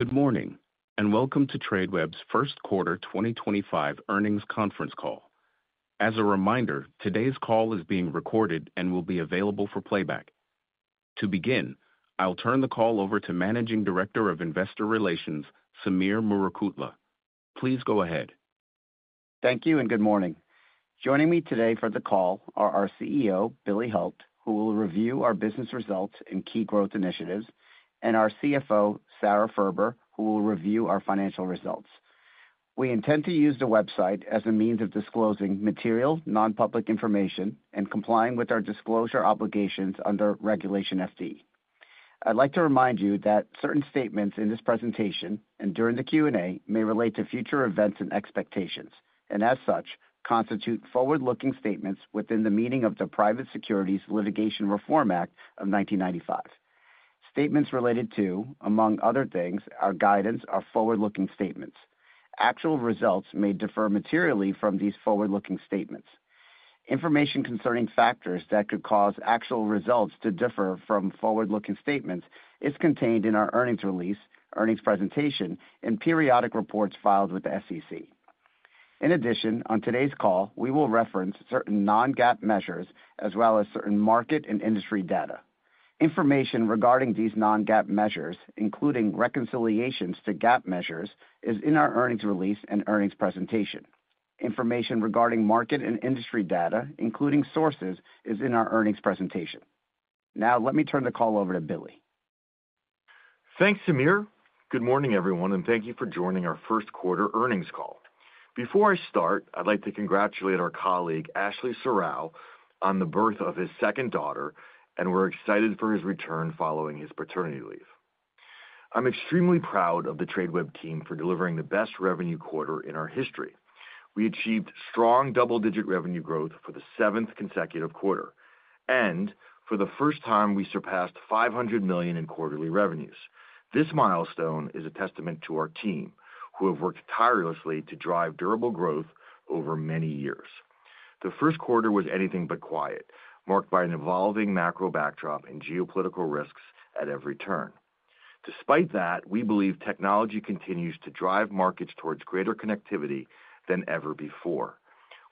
Good morning, and welcome to Tradeweb's Q1 2025 Earnings Conference Call. As a reminder, today's call is being recorded and will be available for playback. To begin, I'll turn the call over to Managing Director of Investor Relations, Sameer Murukutla. Please go ahead. Thank you, and good morning. Joining me today for the call are our CEO, Billy Hult, who will review our business results and key growth initiatives, and our CFO, Sara Furber, who will review our financial results. We intend to use the website as a means of disclosing material, non-public information, and complying with our disclosure obligations under Regulation FD. I'd like to remind you that certain statements in this presentation and during the Q&A may relate to future events and expectations, and as such, constitute forward-looking statements within the meaning of the Private Securities Litigation Reform Act of 1995. Statements related to, among other things, our guidance are forward-looking statements. Actual results may differ materially from these forward-looking statements. Information concerning factors that could cause actual results to differ from forward-looking statements is contained in our earnings release, earnings presentation, and periodic reports filed with the SEC. In addition, on today's call, we will reference certain non-GAAP measures as well as certain market and industry data. Information regarding these non-GAAP measures, including reconciliations to GAAP measures, is in our earnings release and earnings presentation. Information regarding market and industry data, including sources, is in our earnings presentation. Now, let me turn the call over to Billy. Thanks, Sameer. Good morning, everyone, and thank you for joining our Q1 earnings call. Before I start, I'd like to congratulate our colleague, Ashley Serrao, on the birth of his second daughter, and we're excited for his return following his paternity leave. I'm extremely proud of the Tradeweb team for delivering the best revenue quarter in our history. We achieved strong double-digit revenue growth for the seventh consecutive quarter, and for the first time, we surpassed $500 million in quarterly revenues. This milestone is a testament to our team, who have worked tirelessly to drive durable growth over many years. The first quarter was anything but quiet, marked by an evolving macro backdrop and geopolitical risks at every turn. Despite that, we believe technology continues to drive markets towards greater connectivity than ever before.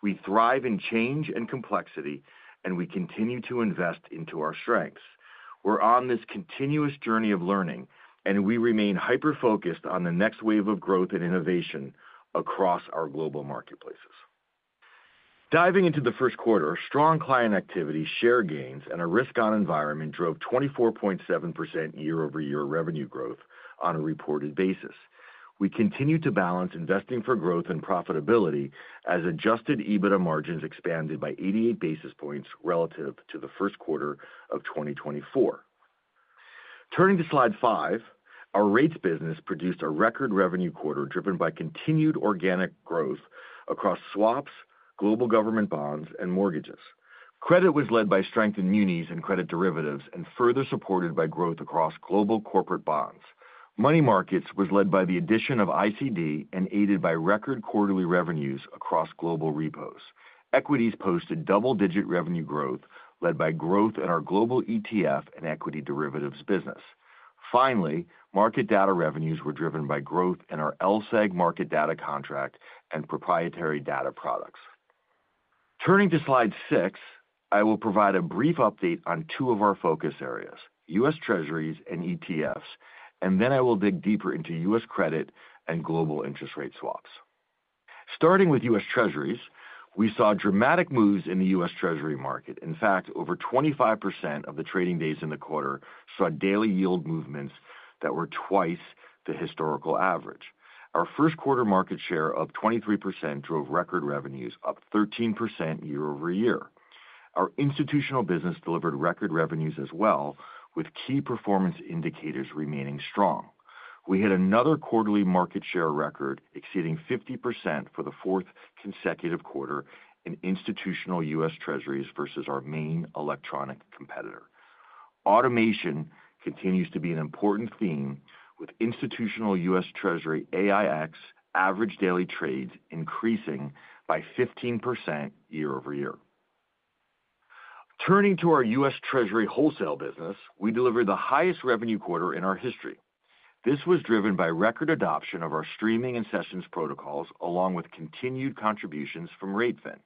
We thrive in change and complexity, and we continue to invest into our strengths. We're on this continuous journey of learning, and we remain hyper-focused on the next wave of growth and innovation across our global marketplaces. Diving into the first quarter, strong client activity, share gains, and a risk-on environment drove 24.7% year-over-year revenue growth on a reported basis. We continue to balance investing for growth and profitability as adjusted EBITDA margins expanded by 88 basis points relative to the first quarter of 2024. Turning to slide five, our rates business produced a record revenue quarter driven by continued organic growth across swaps, global government bonds, and mortgages. Credit was led by strength in munis and credit derivatives, and further supported by growth across global corporate bonds. Money markets was led by the addition of ICD and aided by record quarterly revenues across global repos. Equities posted double-digit revenue growth, led by growth in our global ETF and equity derivatives business. Finally, market data revenues were driven by growth in our LSEG market data contract and proprietary data products. Turning to slide six, I will provide a brief update on two of our focus areas: U.S. Treasuries and ETFs, and then I will dig deeper into U.S. credit and global interest rate swaps. Starting with U.S. Treasuries, we saw dramatic moves in the U.S. Treasury market. In fact, over 25% of the trading days in the quarter saw daily yield movements that were twice the historical average. Our first-quarter market share of 23% drove record revenues, up 13% year-over-year. Our institutional business delivered record revenues as well, with key performance indicators remaining strong. We hit another quarterly market share record, exceeding 50% for the fourth consecutive quarter in institutional U.S. Treasuries versus our main electronic competitor. Automation continues to be an important theme, with institutional U.S. Treasury AiEX average daily trades increasing by 15% year-over-year. Turning to our U.S. Treasury wholesale business, we delivered the highest revenue quarter in our history. This was driven by record adoption of our streaming and sessions protocols, along with continued contributions from r8fin.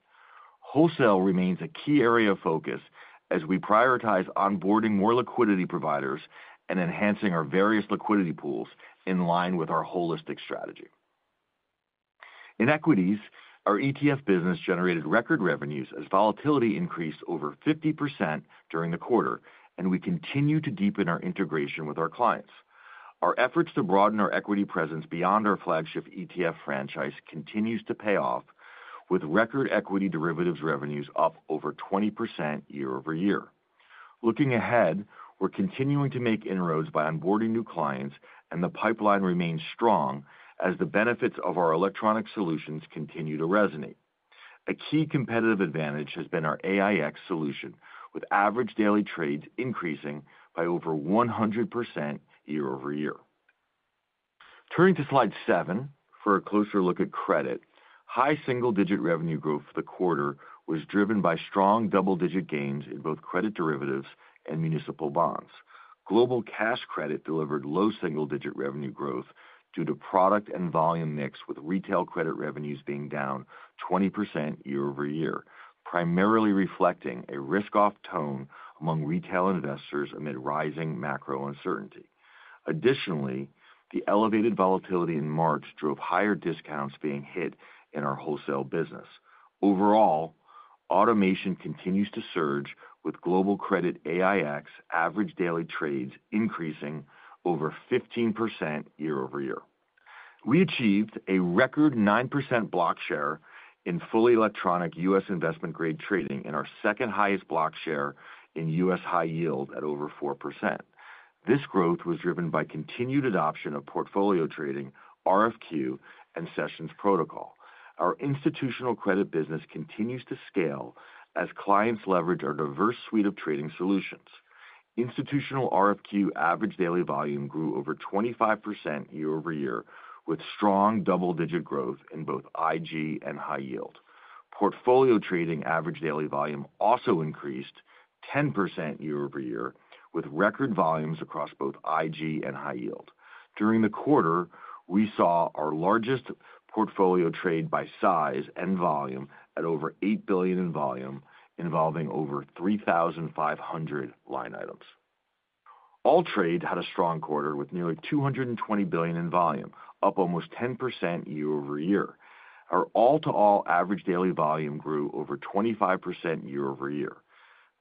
Wholesale remains a key area of focus as we prioritize onboarding more liquidity providers and enhancing our various liquidity pools in line with our holistic strategy. In equities, our ETF business generated record revenues as volatility increased over 50% during the quarter, and we continue to deepen our integration with our clients. Our efforts to broaden our equity presence beyond our flagship ETF franchise continue to pay off, with record equity derivatives revenues up over 20% year-over-year. Looking ahead, we're continuing to make inroads by onboarding new clients, and the pipeline remains strong as the benefits of our electronic solutions continue to resonate. A key competitive advantage has been our AiEX solution, with average daily trades increasing by over 100% year-over-year. Turning to slide seven for a closer look at credit, high single-digit revenue growth for the quarter was driven by strong double-digit gains in both credit derivatives and municipal bonds. Global cash credit delivered low single-digit revenue growth due to product and volume mix, with retail credit revenues being down 20% year-over-year, primarily reflecting a risk-off tone among retail investors amid rising macro uncertainty. Additionally, the elevated volatility in March drove higher discounts being hit in our wholesale business. Overall, automation continues to surge, with global credit AiEX average daily trades increasing over 15% year-over-year. We achieved a record 9% block share in fully electronic U.S. investment-grade trading and our second-highest block share in U.S. high yield at over 4%. This growth was driven by continued adoption of portfolio trading, RFQ, and Sessions Protocol. Our institutional credit business continues to scale as clients leverage our diverse suite of trading solutions. Institutional RFQ average daily volume grew over 25% year-over-year, with strong double-digit growth in both IG and high yield. Portfolio trading average daily volume also increased 10% year-over-year, with record volumes across both IG and high yield. During the quarter, we saw our largest portfolio trade by size and volume at over $8 billion in volume, involving over 3,500 line items. AllTrade had a strong quarter with nearly $220 billion in volume, up almost 10% year-over-year. Our all-to-all average daily volume grew over 25% year-over-year.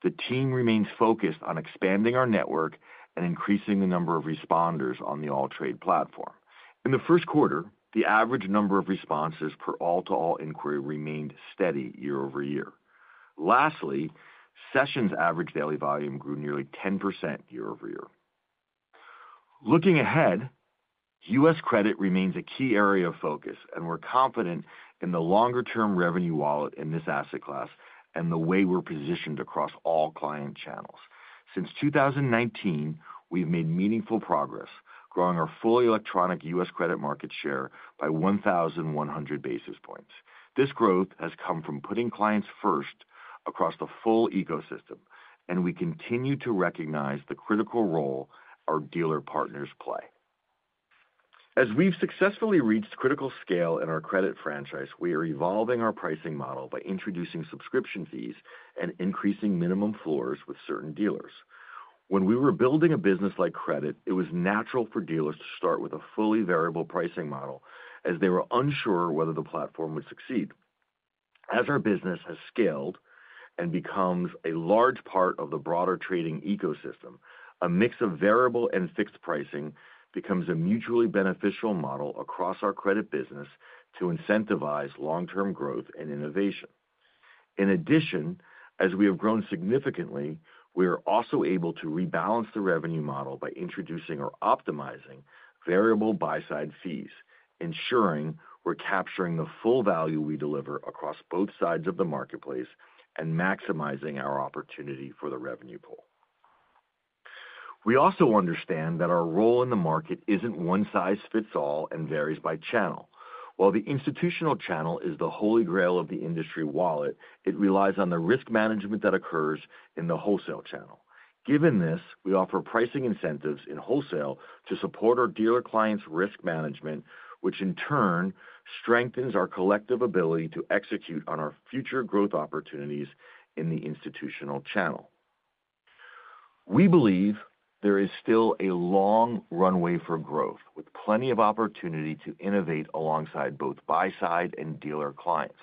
The team remains focused on expanding our network and increasing the number of responders on the AllTrade platform. In the first quarter, the average number of responses per all-to-all inquiry remained steady year-over-year. Lastly, Sessions average daily volume grew nearly 10% year-over-year. Looking ahead, U.S. credit remains a key area of focus, and we're confident in the longer-term revenue wallet in this asset class and the way we're positioned across all client channels. Since 2019, we've made meaningful progress, growing our fully electronic U.S. credit market share by 1,100 basis points. This growth has come from putting clients first across the full ecosystem, and we continue to recognize the critical role our dealer partners play. As we've successfully reached critical scale in our credit franchise, we are evolving our pricing model by introducing subscription fees and increasing minimum floors with certain dealers. When we were building a business like credit, it was natural for dealers to start with a fully variable pricing model as they were unsure whether the platform would succeed. As our business has scaled and becomes a large part of the broader trading ecosystem, a mix of variable and fixed pricing becomes a mutually beneficial model across our credit business to incentivize long-term growth and innovation. In addition, as we have grown significantly, we are also able to rebalance the revenue model by introducing or optimizing variable buy-side fees, ensuring we're capturing the full value we deliver across both sides of the marketplace and maximizing our opportunity for the revenue pool. We also understand that our role in the market isn't one-size-fits-all and varies by channel. While the institutional channel is the holy grail of the industry wallet, it relies on the risk management that occurs in the wholesale channel. Given this, we offer pricing incentives in wholesale to support our dealer clients' risk management, which in turn strengthens our collective ability to execute on our future growth opportunities in the institutional channel. We believe there is still a long runway for growth, with plenty of opportunity to innovate alongside both buy-side and dealer clients.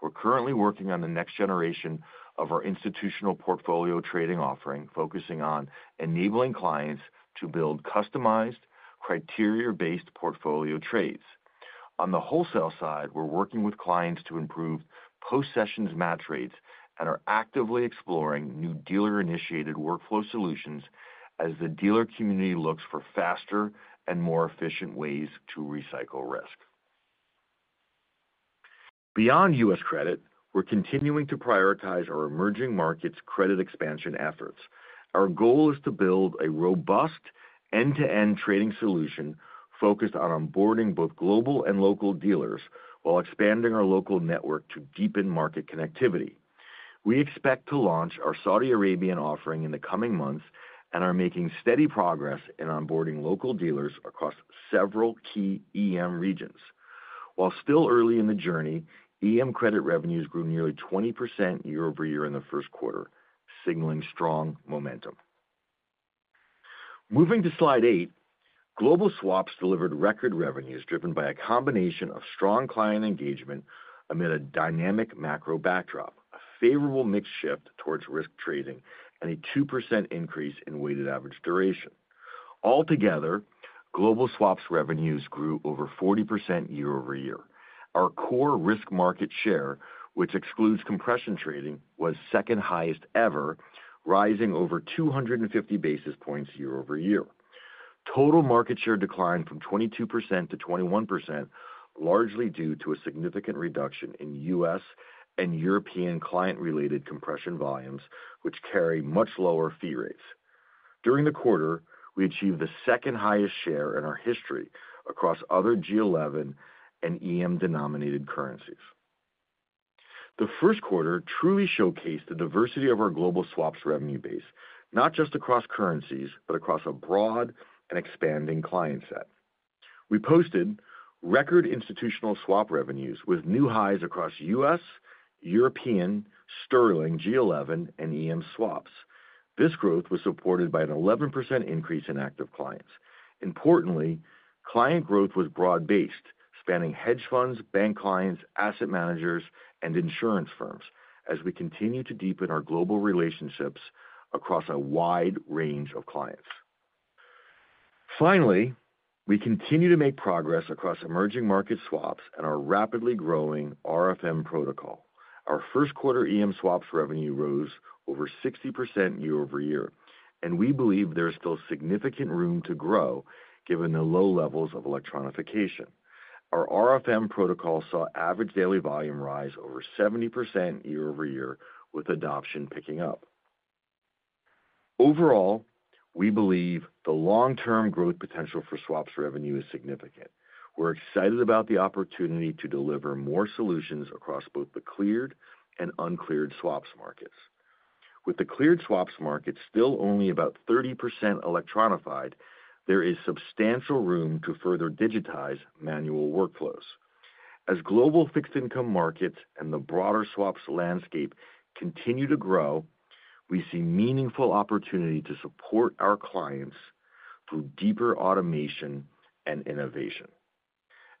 We're currently working on the next generation of our institutional portfolio trading offering, focusing on enabling clients to build customized, criteria-based portfolio trades. On the wholesale side, we're working with clients to improve post-Sessions match rates and are actively exploring new dealer-initiated workflow solutions as the dealer community looks for faster and more efficient ways to recycle risk. Beyond U.S. credit, we're continuing to prioritize our emerging markets' credit expansion efforts. Our goal is to build a robust end-to-end trading solution focused on onboarding both global and local dealers while expanding our local network to deepen market connectivity. We expect to launch our Saudi Arabian offering in the coming months and are making steady progress in onboarding local dealers across several key EM regions. While still early in the journey, EM credit revenues grew nearly 20% year-over-year in the first quarter, signaling strong momentum. Moving to slide eight, global swaps delivered record revenues driven by a combination of strong client engagement amid a dynamic macro backdrop, a favorable mix shift towards risk trading, and a 2% increase in weighted average duration. Altogether, global swaps revenues grew over 40% year-over-year. Our core risk market share, which excludes compression trading, was second highest ever, rising over 250 basis points year-over-year. Total market share declined from 22%-21%, largely due to a significant reduction in U.S. and European client-related compression volumes, which carry much lower fee rates. During the quarter, we achieved the second highest share in our history across other G-11 and EM-denominated currencies. The first quarter truly showcased the diversity of our global swaps revenue base, not just across currencies, but across a broad and expanding client set. We posted record institutional swap revenues with new highs across U.S., European, Sterling, G-11, and EM swaps. This growth was supported by an 11% increase in active clients. Importantly, client growth was broad-based, spanning hedge funds, bank clients, asset managers, and insurance firms as we continue to deepen our global relationships across a wide range of clients. Finally, we continue to make progress across emerging market swaps and our rapidly growing RFM protocol. Our first-quarter EM swaps revenue rose over 60% year-over-year, and we believe there is still significant room to grow given the low levels of electronification. Our RFM protocol saw average daily volume rise over 70% year-over-year, with adoption picking up. Overall, we believe the long-term growth potential for swaps revenue is significant. We are excited about the opportunity to deliver more solutions across both the cleared and uncleared swaps markets. With the cleared swaps market still only about 30% electronified, there is substantial room to further digitize manual workflows. As global fixed income markets and the broader swaps landscape continue to grow, we see meaningful opportunity to support our clients through deeper automation and innovation.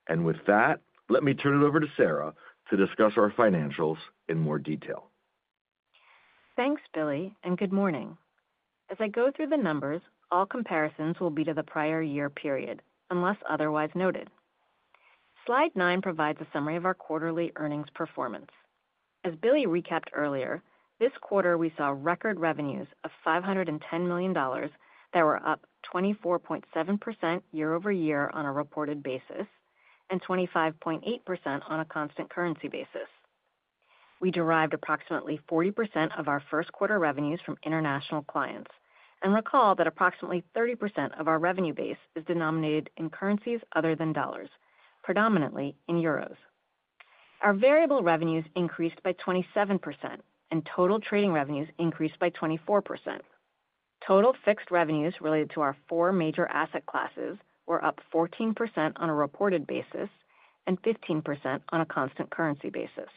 Let me turn it over to Sara to discuss our financials in more detail. Thanks, Billy, and good morning. As I go through the numbers, all comparisons will be to the prior year period unless otherwise noted. Slide nine provides a summary of our quarterly earnings performance. As Billy recapped earlier, this quarter we saw record revenues of $510 million that were up 24.7% year-over-year on a reported basis and 25.8% on a constant currency basis. We derived approximately 40% of our first quarter revenues from international clients. Recall that approximately 30% of our revenue base is denominated in currencies other than dollars, predominantly in euros. Our variable revenues increased by 27%, and total trading revenues increased by 24%. Total fixed revenues related to our four major asset classes were up 14% on a reported basis and 15% on a constant currency basis.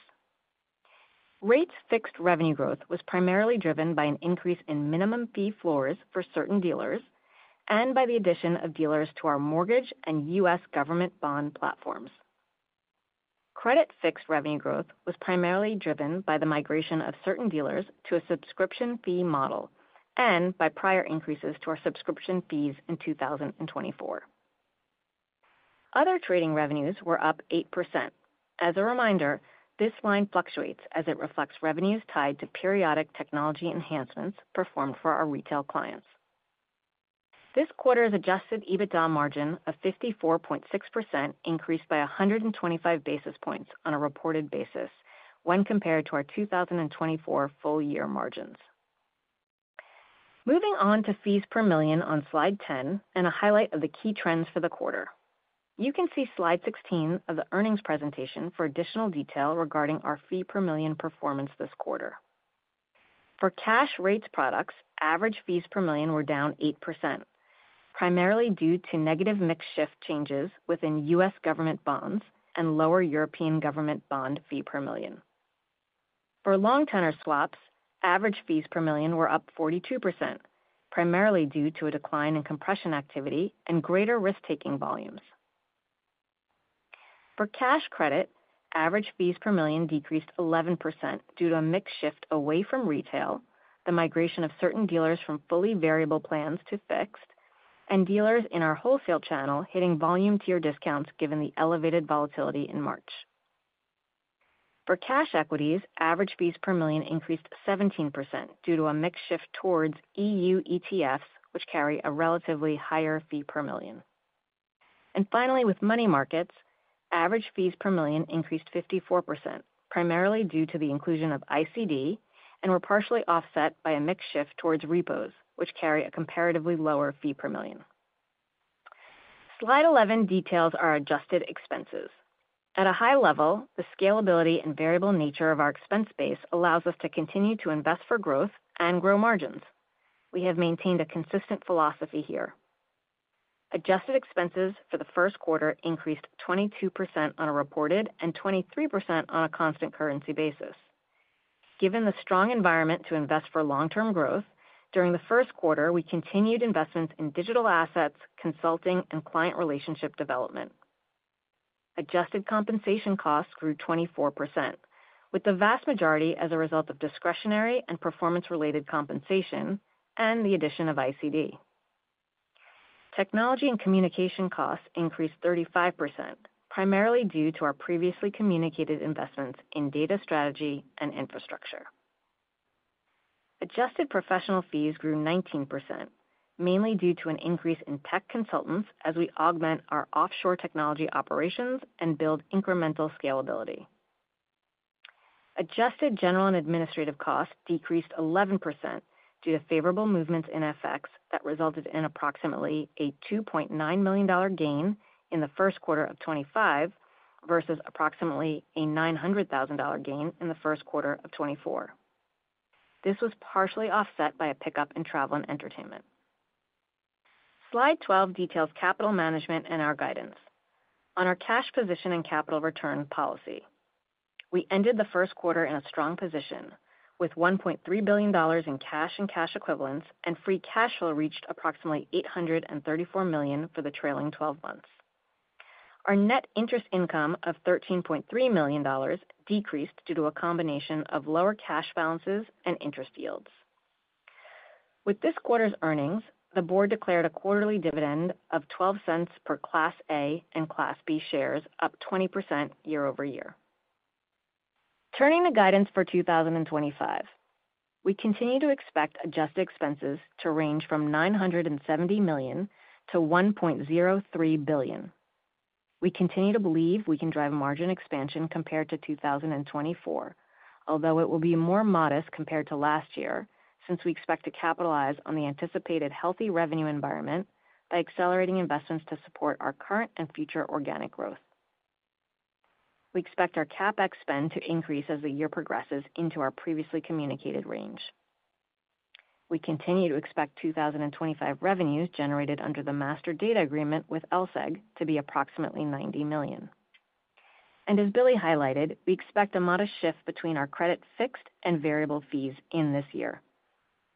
Rate fixed revenue growth was primarily driven by an increase in minimum fee floors for certain dealers and by the addition of dealers to our mortgage and U.S. government bond platforms. Credit fixed revenue growth was primarily driven by the migration of certain dealers to a subscription fee model and by prior increases to our subscription fees in 2024. Other trading revenues were up 8%. As a reminder, this line fluctuates as it reflects revenues tied to periodic technology enhancements performed for our retail clients. This quarter's adjusted EBITDA margin of 54.6% increased by 125 basis points on a reported basis when compared to our 2024 full-year margins. Moving on to fees per million on slide 10 and a highlight of the key trends for the quarter. You can see slide 16 of the earnings presentation for additional detail regarding our fee per million performance this quarter. For cash rates products, average fees per million were down 8%, primarily due to negative mix shift changes within U.S. government bonds and lower European government bond fee per million. For long-tenor swaps, average fees per million were up 42%, primarily due to a decline in compression activity and greater risk-taking volumes. For cash credit, average fees per million decreased 11% due to a mix shift away from retail, the migration of certain dealers from fully variable plans to fixed, and dealers in our wholesale channel hitting volume tier discounts given the elevated volatility in March. For cash equities, average fees per million increased 17% due to a mix shift towards EU ETFs, which carry a relatively higher fee per million. Finally, with money markets, average fees per million increased 54%, primarily due to the inclusion of ICD and were partially offset by a mix shift towards repos, which carry a comparatively lower fee per million. Slide 11 details our adjusted expenses. At a high level, the scalability and variable nature of our expense base allows us to continue to invest for growth and grow margins. We have maintained a consistent philosophy here. Adjusted expenses for the first quarter increased 22% on a reported and 23% on a constant currency basis. Given the strong environment to invest for long-term growth, during the first quarter, we continued investments in digital assets, consulting, and client relationship development. Adjusted compensation costs grew 24%, with the vast majority as a result of discretionary and performance-related compensation and the addition of ICD. Technology and communication costs increased 35%, primarily due to our previously communicated investments in data strategy and infrastructure. Adjusted professional fees grew 19%, mainly due to an increase in tech consultants as we augment our offshore technology operations and build incremental scalability. Adjusted general and administrative costs decreased 11% due to favorable movements in FX that resulted in approximately a $2.9 million gain in the first quarter of 2025 versus approximately a $900,000 gain in the first quarter of 2024. This was partially offset by a pickup in travel and entertainment. Slide 12 details capital management and our guidance on our cash position and capital return policy. We ended the first quarter in a strong position with $1.3 billion in cash and cash equivalents, and free cash flow reached approximately $834 million for the trailing 12 months. Our net interest income of $13.3 million decreased due to a combination of lower cash balances and interest yields. With this quarter's earnings, the board declared a quarterly dividend of $0.12 per Class A and Class B shares, up 20% year-over-year. Turning to guidance for 2025, we continue to expect adjusted expenses to range from $970 million-$1.03 billion. We continue to believe we can drive margin expansion compared to 2024, although it will be more modest compared to last year since we expect to capitalize on the anticipated healthy revenue environment by accelerating investments to support our current and future organic growth. We expect our CapEx spend to increase as the year progresses into our previously communicated range. We continue to expect 2025 revenues generated under the master data agreement with LSEG to be approximately $90 million. As Billy highlighted, we expect a modest shift between our credit fixed and variable fees in this year.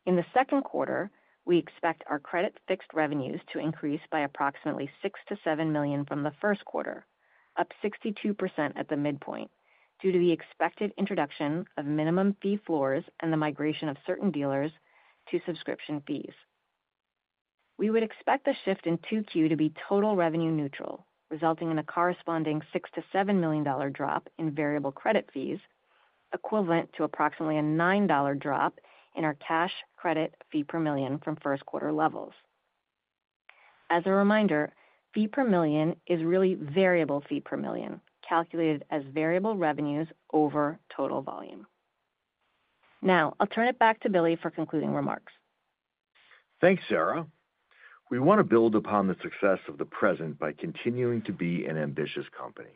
In the second quarter, we expect our credit fixed revenues to increase by approximately $6-$7 million from the first quarter, up 62% at the midpoint due to the expected introduction of minimum fee floors and the migration of certain dealers to subscription fees. We would expect the shift in 2Q to be total revenue neutral, resulting in a corresponding $6-$7 million drop in variable credit fees, equivalent to approximately a $9 drop in our cash credit fee per million from first quarter levels. As a reminder, fee per million is really variable fee per million calculated as variable revenues over total volume. Now, I'll turn it back to Billy for concluding remarks. Thanks, Sara. We want to build upon the success of the present by continuing to be an ambitious company.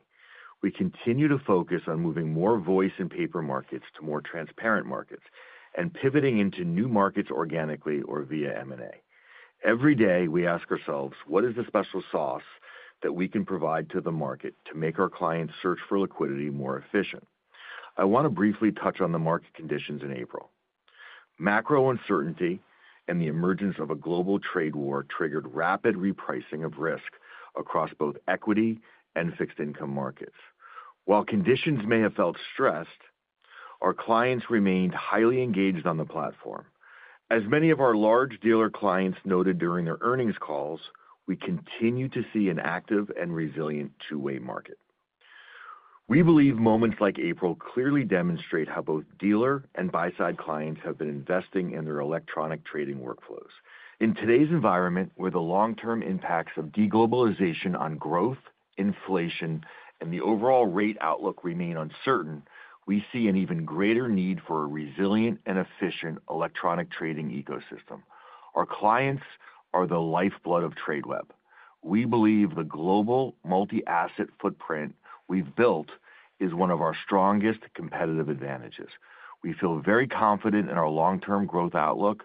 We continue to focus on moving more voice in paper markets to more transparent markets and pivoting into new markets organically or via M&A. Every day, we ask ourselves, what is the special sauce that we can provide to the market to make our clients' search for liquidity more efficient? I want to briefly touch on the market conditions in April. Macro uncertainty and the emergence of a global trade war triggered rapid repricing of risk across both equity and fixed income markets. While conditions may have felt stressed, our clients remained highly engaged on the platform. As many of our large dealer clients noted during their earnings calls, we continue to see an active and resilient two-way market. We believe moments like April clearly demonstrate how both dealer and buy-side clients have been investing in their electronic trading workflows. In today's environment, where the long-term impacts of deglobalization on growth, inflation, and the overall rate outlook remain uncertain, we see an even greater need for a resilient and efficient electronic trading ecosystem. Our clients are the lifeblood of Tradeweb. We believe the global multi-asset footprint we've built is one of our strongest competitive advantages. We feel very confident in our long-term growth outlook.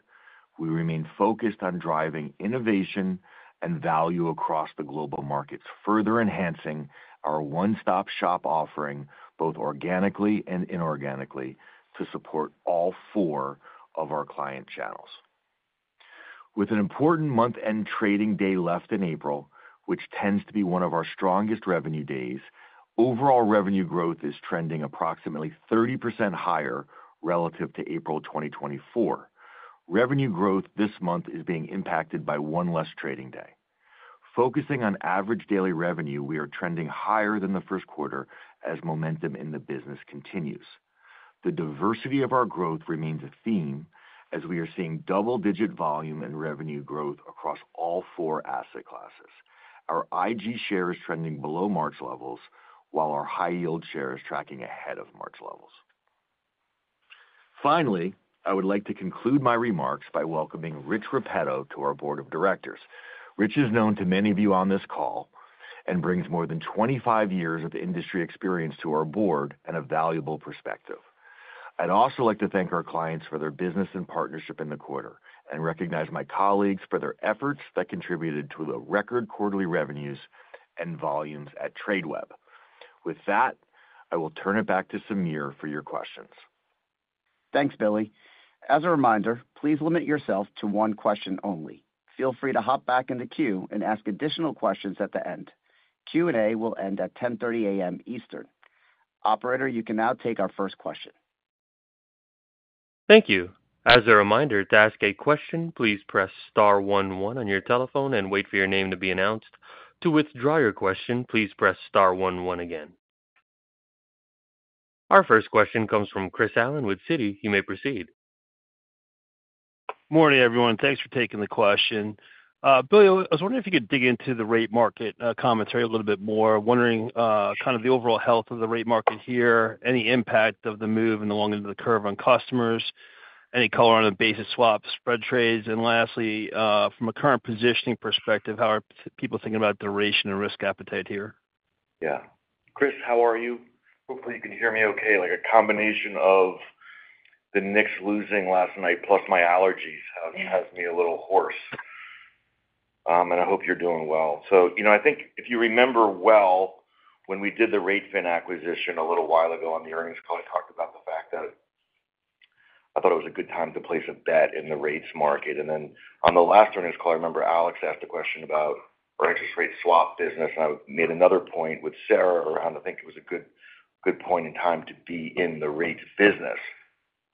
We remain focused on driving innovation and value across the global markets, further enhancing our one-stop shop offering both organically and inorganically to support all four of our client channels. With an important month-end trading day left in April, which tends to be one of our strongest revenue days, overall revenue growth is trending approximately 30% higher relative to April 2024. Revenue growth this month is being impacted by one less trading day. Focusing on average daily revenue, we are trending higher than the first quarter as momentum in the business continues. The diversity of our growth remains a theme as we are seeing double-digit volume and revenue growth across all four asset classes. Our IG share is trending below March levels, while our high-yield share is tracking ahead of March levels. Finally, I would like to conclude my remarks by welcoming Rich Repetto to our board of directors. Rich is known to many of you on this call and brings more than 25 years of industry experience to our board and a valuable perspective. I'd also like to thank our clients for their business and partnership in the quarter and recognize my colleagues for their efforts that contributed to the record quarterly revenues and volumes at Tradeweb. With that, I will turn it back to Sameer for your questions. Thanks, Billy. As a reminder, please limit yourself to one question only. Feel free to hop back in the queue and ask additional questions at the end. Q&A will end at 10:30 A.M. Eastern. Operator, you can now take our first question. Thank you. As a reminder, to ask a question, please press star one one on your telephone and wait for your name to be announced. To withdraw your question, please press star one one again. Our first question comes from Chris Allen with Citi. You may proceed. Morning, everyone. Thanks for taking the question. Billy, I was wondering if you could dig into the rate market commentary a little bit more. Wondering kind of the overall health of the rate market here, any impact of the move and the long into the curve on customers, any color on the basis swap spread trades. Lastly, from a current positioning perspective, how are people thinking about duration and risk appetite here? Yeah. Chris, how are you? Hopefully, you can hear me okay. Like a combination of the Knicks losing last night plus my allergies has me a little hoarse. I hope you're doing well. I think if you remember well when we did the r8fin acquisition a little while ago on the earnings call, I talked about the fact that I thought it was a good time to place a bet in the rates market. Then on the last earnings call, I remember Alex asked a question about our interest rate swap business. I made another point with Sara around, I think it was a good point in time to be in the rates business.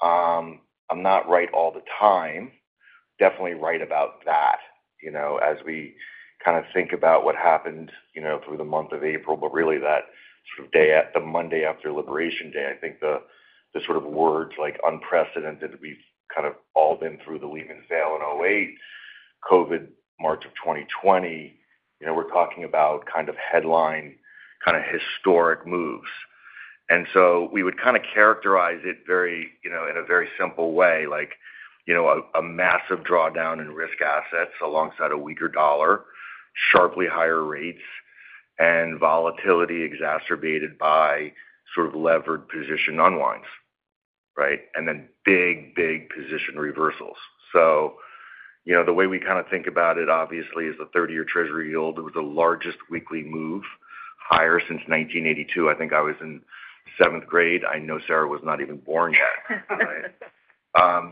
I'm not right all the time. Definitely right about that as we kind of think about what happened through the month of April. That sort of day at the Monday after Liberation Day, I think the sort of words like unprecedented, we've kind of all been through the Lehman sale in 2008, COVID, March of 2020. We're talking about kind of headline kind of historic moves. We would kind of characterize it in a very simple way, like a massive drawdown in risk assets alongside a weaker dollar, sharply higher rates, and volatility exacerbated by sort of levered position unwinds, right? And then big, big position reversals. The way we kind of think about it, obviously, is the 30-year Treasury yield was the largest weekly move higher since 1982. I think I was in seventh grade. I know Sara was not even born yet.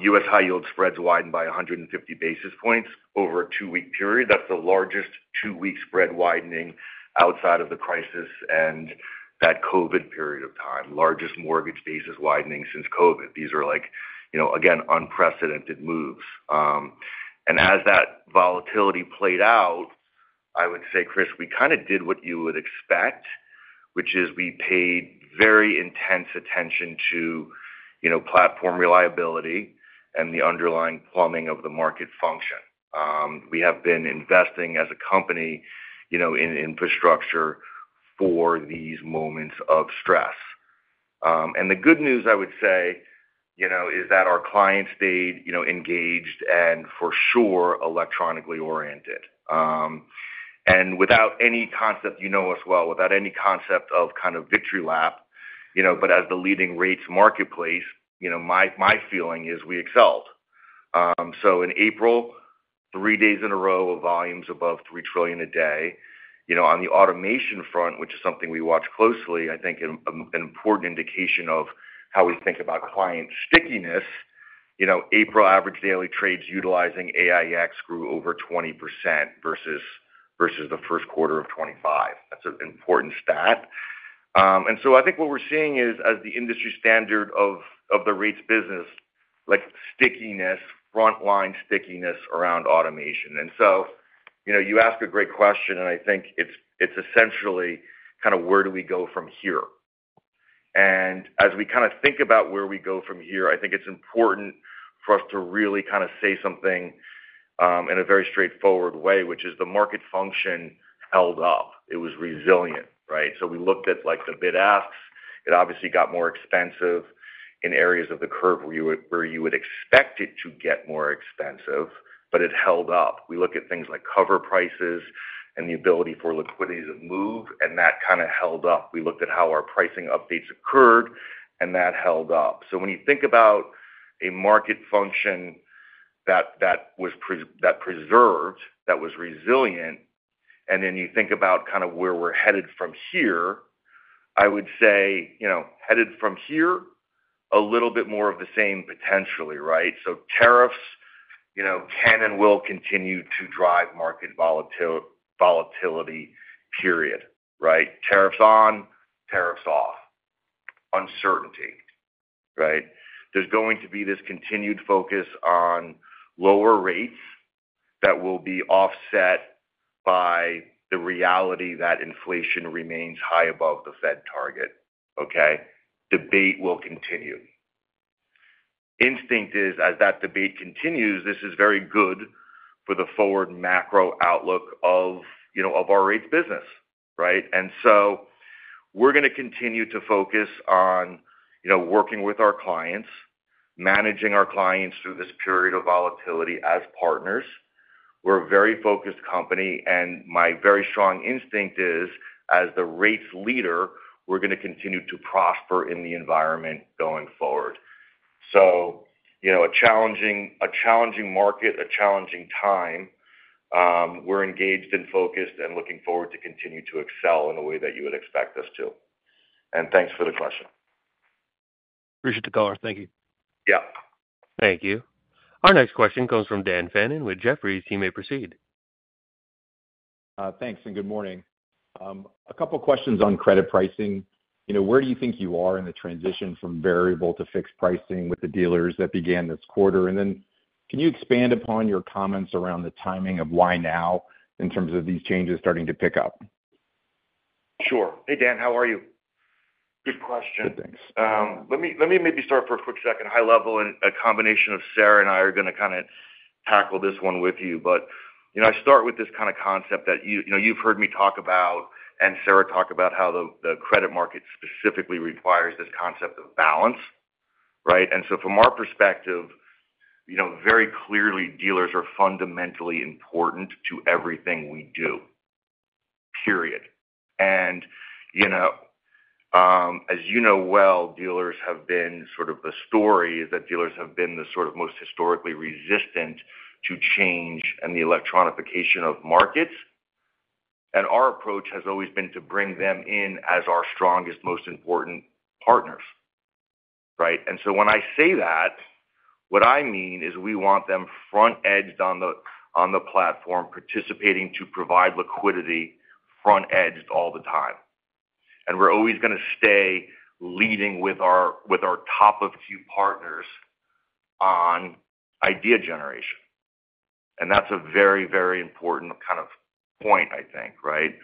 U.S. high yield spreads widened by 150 basis points over a two-week period. That is the largest two-week spread widening outside of the crisis and that COVID period of time. Largest mortgage basis widening since COVID. These are, like, again, unprecedented moves. As that volatility played out, I would say, Chris, we kind of did what you would expect, which is we paid very intense attention to platform reliability and the underlying plumbing of the market function. We have been investing as a company in infrastructure for these moments of stress. The good news, I would say, is that our clients stayed engaged and for sure electronically oriented. Without any concept, you know us well, without any concept of kind of victory lap, but as the leading rates marketplace, my feeling is we excelled. In April, three days in a row of volumes above $3 trillion a day. On the automation front, which is something we watch closely, I think an important indication of how we think about client stickiness, April average daily trades utilizing AiEX grew over 20% versus the first quarter of 2025. That is an important stat. I think what we are seeing is, as the industry standard of the rates business, like stickiness, frontline stickiness around automation. You ask a great question, and I think it is essentially kind of where do we go from here? As we kind of think about where we go from here, I think it's important for us to really kind of say something in a very straightforward way, which is the market function held up. It was resilient, right? We looked at the bid-asks. It obviously got more expensive in areas of the curve where you would expect it to get more expensive, but it held up. We look at things like cover prices and the ability for liquidity to move, and that kind of held up. We looked at how our pricing updates occurred, and that held up. When you think about a market function that was preserved, that was resilient, and then you think about kind of where we're headed from here, I would say headed from here, a little bit more of the same potentially, right? Tariffs can and will continue to drive market volatility, period, right? Tariffs on, tariffs off, uncertainty, right? There is going to be this continued focus on lower rates that will be offset by the reality that inflation remains high above the Fed target, okay? Debate will continue. Instinct is, as that debate continues, this is very good for the forward macro outlook of our rates business, right? We are going to continue to focus on working with our clients, managing our clients through this period of volatility as partners. We are a very focused company, and my very strong instinct is, as the rates leader, we are going to continue to prosper in the environment going forward. A challenging market, a challenging time. We are engaged and focused and looking forward to continue to excel in a way that you would expect us to. Thanks for the question. thank you. Yeah. Thank you. Our next question comes from Dan Fannon with Jefferies. You may proceed. Thanks and good morning. A couple of questions on credit pricing. Where do you think you are in the transition from variable to fixed pricing with the dealers that began this quarter? Can you expand upon your comments around the timing of why now in terms of these changes starting to pick up? Sure. Hey, Dan, how are you? Good question. Thanks. Let me maybe start for a quick second, high level, and a combination of Sara and I are going to kind of tackle this one with you. I start with this kind of concept that you have heard me talk about and Sara talk about how the credit market specifically requires this concept of balance, right? From our perspective, very clearly, dealers are fundamentally important to everything we do, period. As you know well, dealers have been sort of the story that dealers have been the sort of most historically resistant to change and the electronification of markets. Our approach has always been to bring them in as our strongest, most important partners, right? When I say that, what I mean is we want them front-edged on the platform, participating to provide liquidity front-edged all the time. We are always going to stay leading with our top-of-view partners on idea generation. That is a very, very important kind of point, I think, right?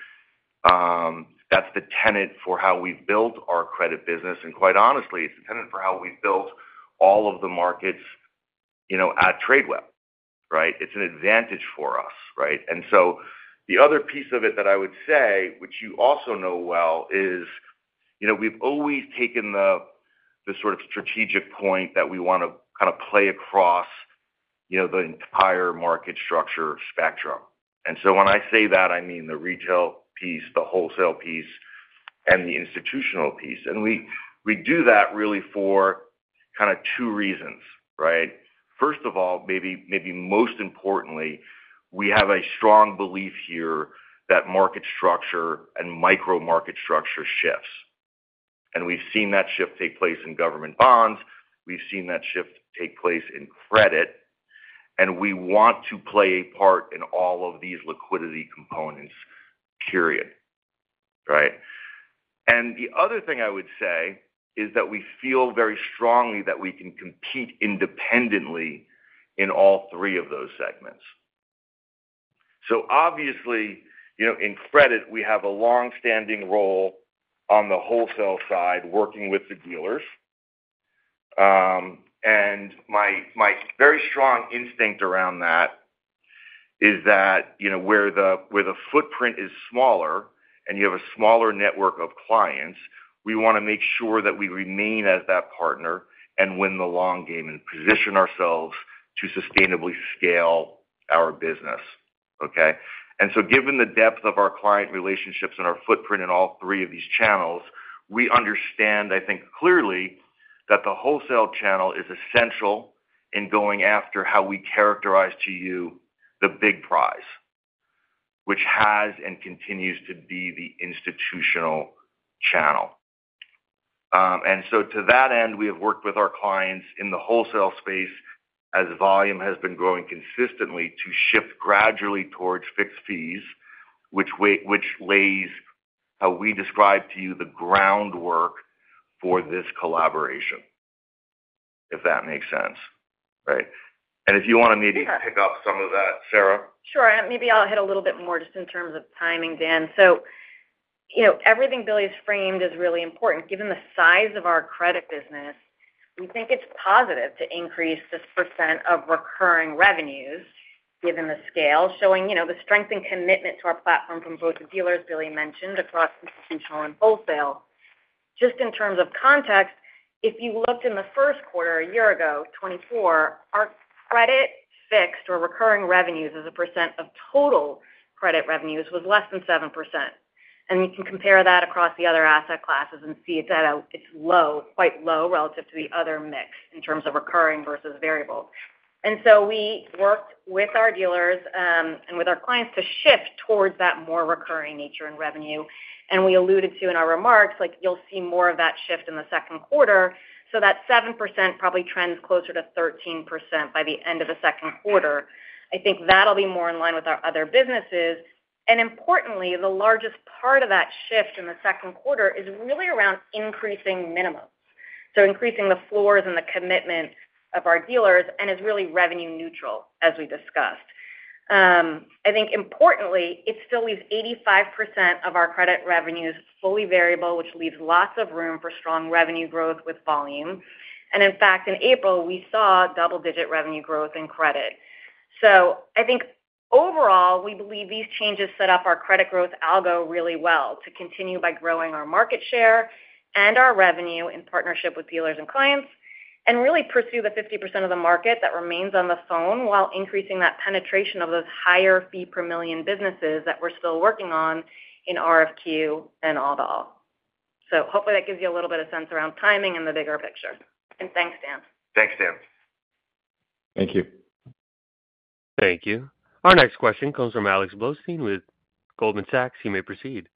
That is the tenet for how we have built our credit business. Quite honestly, it is the tenet for how we have built all of the markets at Tradeweb, right? It is an advantage for us, right? The other piece of it that I would say, which you also know well, is we've always taken the sort of strategic point that we want to kind of play across the entire market structure spectrum. When I say that, I mean the retail piece, the wholesale piece, and the institutional piece. We do that really for kind of two reasons, right? First of all, maybe most importantly, we have a strong belief here that market structure and micro-market structure shifts. We've seen that shift take place in government bonds. We've seen that shift take place in credit. We want to play a part in all of these liquidity components, period, right? The other thing I would say is that we feel very strongly that we can compete independently in all three of those segments. Obviously, in credit, we have a long-standing role on the wholesale side, working with the dealers. My very strong instinct around that is that where the footprint is smaller and you have a smaller network of clients, we want to make sure that we remain as that partner and win the long game and position ourselves to sustainably scale our business, okay? Given the depth of our client relationships and our footprint in all three of these channels, we understand, I think clearly, that the wholesale channel is essential in going after how we characterize to you the big prize, which has and continues to be the institutional channel. To that end, we have worked with our clients in the wholesale space as volume has been growing consistently to shift gradually towards fixed fees, which lays how we describe to you the groundwork for this collaboration, if that makes sense, right? If you want to maybe pick up some of that, Sara. Sure. Maybe I'll hit a little bit more just in terms of timing, Dan. Everything Billy's framed is really important. Given the size of our credit business, we think it's positive to increase this % of recurring revenues given the scale, showing the strength and commitment to our platform from both the dealers Billy mentioned across institutional and wholesale. Just in terms of context, if you looked in the first quarter a year ago, 2024, our credit fixed or recurring revenues as a % of total credit revenues was less than 7%. We can compare that across the other asset classes and see that it's low, quite low relative to the other mix in terms of recurring versus variable. We worked with our dealers and with our clients to shift towards that more recurring nature and revenue. We alluded to in our remarks, you'll see more of that shift in the second quarter. That 7% probably trends closer to 13% by the end of the second quarter. I think that'll be more in line with our other businesses. Importantly, the largest part of that shift in the second quarter is really around increasing minimums. Increasing the floors and the commitment of our dealers is really revenue neutral, as we discussed. I think importantly, it still leaves 85% of our credit revenues fully variable, which leaves lots of room for strong revenue growth with volume. In fact, in April, we saw double-digit revenue growth in credit. I think overall, we believe these changes set up our credit growth algo really well to continue by growing our market share and our revenue in partnership with dealers and clients and really pursue the 50% of the market that remains on the phone while increasing that penetration of those higher fee-per-million businesses that we're still working on in RFQ and all the all. Hopefully, that gives you a little bit of sense around timing and the bigger picture. Thanks, Dan. Thank you. Our next question comes from Alex Blostein with Goldman Sachs. You may proceed.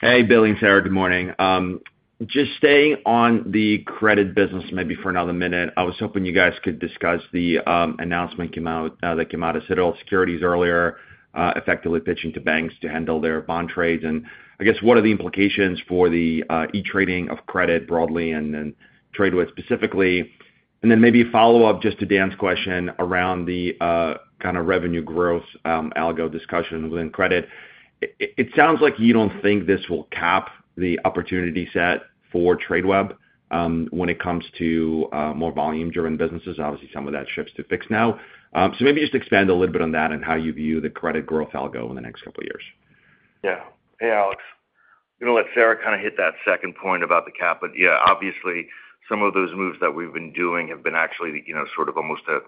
Hey, Billy and Sara. Good morning. Just staying on the credit business maybe for another minute, I was hoping you guys could discuss the announcement that came out of Citadel Securities earlier, effectively pitching to banks to handle their bond trades. I guess, what are the implications for the e-trading of credit broadly and then Tradeweb specifically? Maybe follow-up just to Dan's question around the kind of revenue growth algo discussion within credit. It sounds like you do not think this will cap the opportunity set for Tradeweb when it comes to more volume-driven businesses. Obviously, some of that shifts to fixed now. Maybe just expand a little bit on that and how you view the credit growth algo in the next couple of years. Yeah. Hey, Alex. I am going to let Sara kind of hit that second point about the cap. Yeah, obviously, some of those moves that we've been doing have been actually sort of almost to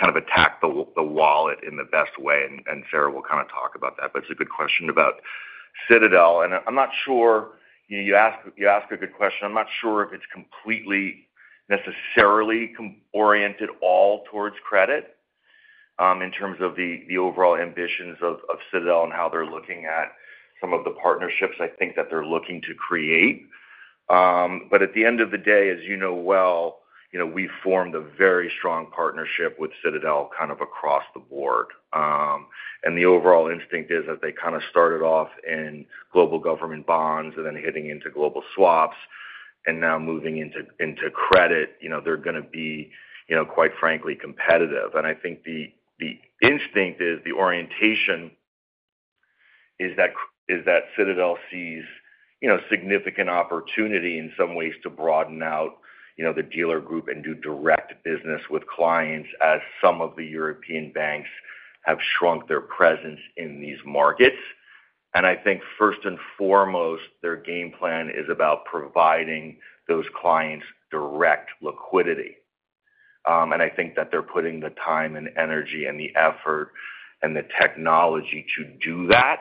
kind of attack the wallet in the best way. Sara will kind of talk about that. It's a good question about Citadel. I'm not sure you asked a good question. I'm not sure if it's completely necessarily oriented all towards credit in terms of the overall ambitions of Citadel and how they're looking at some of the partnerships I think that they're looking to create. At the end of the day, as you know well, we formed a very strong partnership with Citadel kind of across the board. The overall instinct is, as they kind of started off in global government bonds and then hitting into global swaps and now moving into credit, they're going to be, quite frankly, competitive. I think the instinct is the orientation is that Citadel sees significant opportunity in some ways to broaden out the dealer group and do direct business with clients as some of the European banks have shrunk their presence in these markets. I think, first and foremost, their game plan is about providing those clients direct liquidity. I think that they're putting the time and energy and the effort and the technology to do that.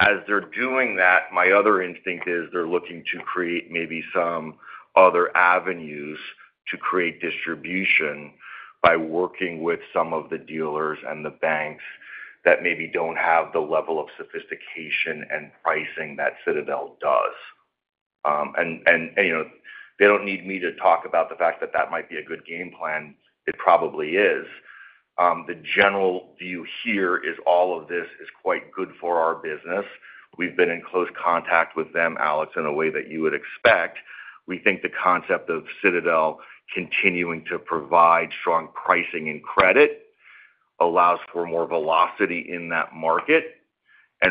As they're doing that, my other instinct is they're looking to create maybe some other avenues to create distribution by working with some of the dealers and the banks that maybe don't have the level of sophistication and pricing that Citadel does. They don't need me to talk about the fact that that might be a good game plan. It probably is. The general view here is all of this is quite good for our business. We've been in close contact with them, Alex, in a way that you would expect. We think the concept of Citadel continuing to provide strong pricing and credit allows for more velocity in that market.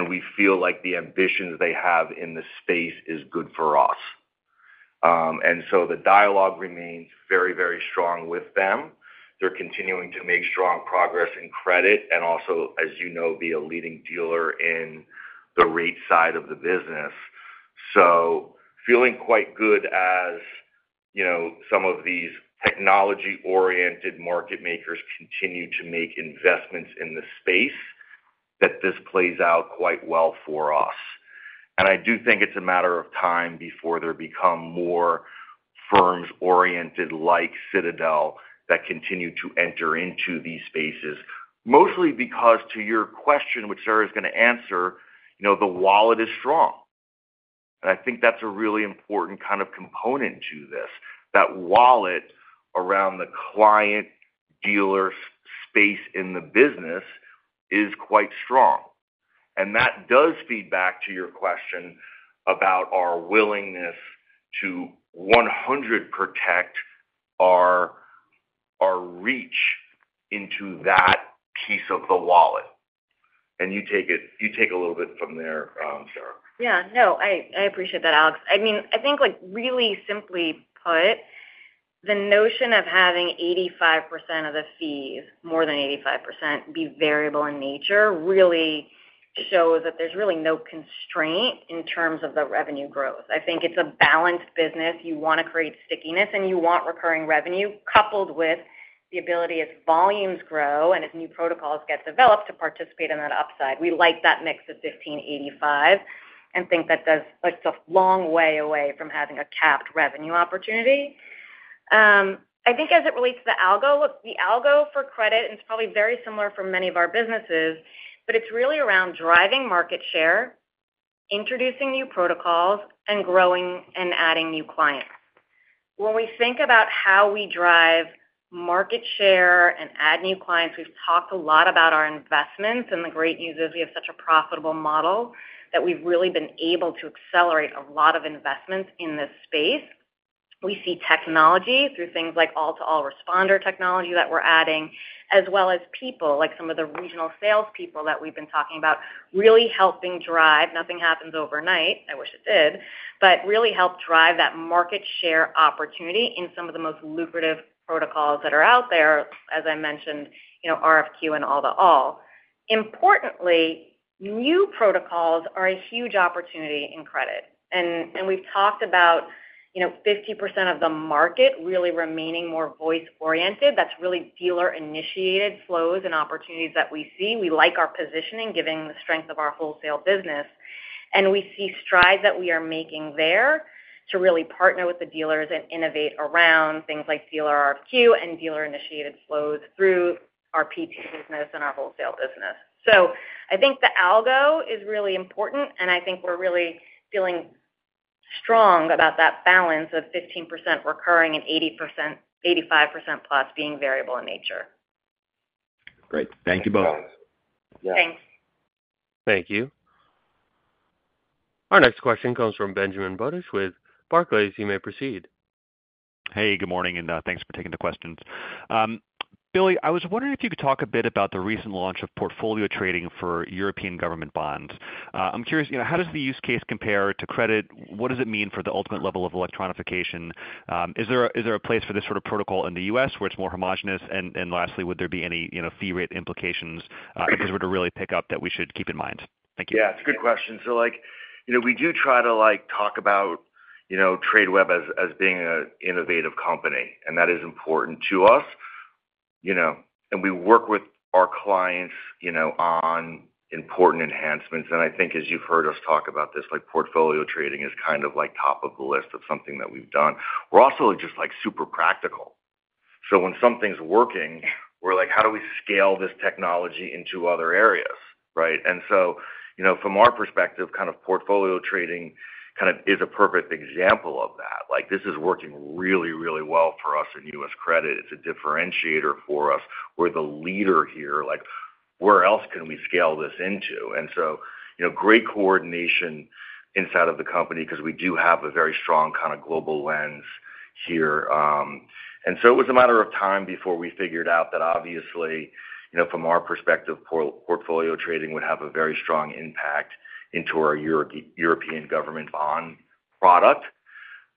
We feel like the ambitions they have in the space is good for us. The dialogue remains very, very strong with them. They're continuing to make strong progress in credit and also, as you know, be a leading dealer in the rate side of the business. Feeling quite good as some of these technology-oriented market makers continue to make investments in the space that this plays out quite well for us. I do think it's a matter of time before there become more firms oriented like Citadel that continue to enter into these spaces, mostly because, to your question, which Sara is going to answer, the wallet is strong. I think that's a really important kind of component to this. That wallet around the client-dealer space in the business is quite strong. That does feed back to your question about our willingness to 100% protect our reach into that piece of the wallet. You take a little bit from there, Sara. Yeah. No, I appreciate that, Alex. I mean, I think really simply put, the notion of having 85% of the fees, more than 85%, be variable in nature really shows that there's really no constraint in terms of the revenue growth. I think it's a balanced business. You want to create stickiness, and you want recurring revenue coupled with the ability as volumes grow and as new protocols get developed to participate in that upside. We like that mix of 15%, 85%, and think that it's a long way away from having a capped revenue opportunity. I think as it relates to the algo for credit, and it's probably very similar for many of our businesses, but it's really around driving market share, introducing new protocols, and growing and adding new clients. When we think about how we drive market share and add new clients, we've talked a lot about our investments. The great news is we have such a profitable model that we've really been able to accelerate a lot of investments in this space. We see technology through things like AiEX, responder technology that we're adding, as well as people like some of the regional salespeople that we've been talking about really helping drive—nothing happens overnight. I wish it did—but really help drive that market share opportunity in some of the most lucrative protocols that are out there, as I mentioned, RFQ and AiEX. Importantly, new protocols are a huge opportunity in credit. We have talked about 50% of the market really remaining more voice-oriented. That is really dealer-initiated flows and opportunities that we see. We like our positioning given the strength of our wholesale business. We see strides that we are making there to really partner with the dealers and innovate around things like dealer RFQ and dealer-initiated flows through our portfolio trading business and our wholesale business. I think the algo is really important, and I think we're really feeling strong about that balance of 15% recurring and 85% plus being variable in nature. Great. Thank you both. Thanks. Thank you. Our next question comes from Benjamin Budish with Barclays. You may proceed. Hey, good morning, and thanks for taking the questions. Billy, I was wondering if you could talk a bit about the recent launch of portfolio trading for European government bonds. I'm curious, how does the use case compare to credit? What does it mean for the ultimate level of electronification? Is there a place for this sort of protocol in the U.S. where it's more homogenous? Lastly, would there be any fee rate implications if we were to really pick up that we should keep in mind? Thank you. Yeah, it's a good question. We do try to talk about Tradeweb as being an innovative company, and that is important to us. We work with our clients on important enhancements. I think, as you've heard us talk about this, portfolio trading is kind of top of the list of something that we've done. We're also just super practical. When something's working, we're like, "How do we scale this technology into other areas?" Right? From our perspective, kind of portfolio trading is a perfect example of that. This is working really, really well for us in U.S. credit. It's a differentiator for us. We're the leader here. Where else can we scale this into? Great coordination inside of the company because we do have a very strong kind of global lens here. It was a matter of time before we figured out that, obviously, from our perspective, portfolio trading would have a very strong impact into our European government bond product.